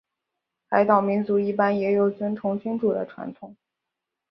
海岛民族一般也有尊崇君主的传统。